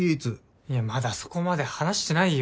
いやまだそこまで話してないよ。